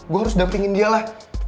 gue harus dampingin dia lah